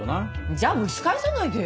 じゃ蒸し返さないでよ。